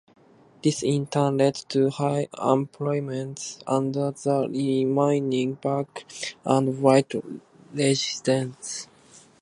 This in turn led to high unemployment under the remaining black and white residents.